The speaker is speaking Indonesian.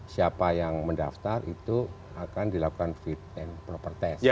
siapa yang mendaftar itu akan dilakukan fit and proper test